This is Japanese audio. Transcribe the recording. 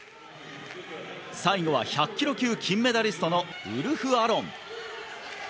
最後は１００ｋｇ級金メダリストのウルフ・アロン。